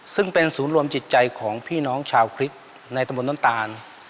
ซึ่งเป็นศูนย์รวมจิตใจของพี่น้องชาวคริสในตะบนน้ำตาล